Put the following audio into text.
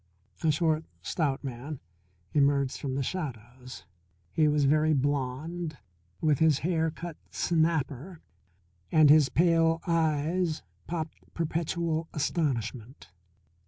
A short, stout man emerged from the shadows. He was very blond, with his hair cut snapper, and his pale eyes popped perpetual astonishment.